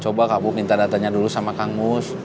coba kamu minta datanya dulu sama kang mus